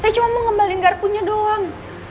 saya cuma mau ngembalin garpunya doang